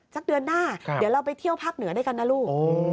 สักเดือนหน้าเดี๋ยวเราไปเที่ยวภาคเหนือด้วยกันนะลูก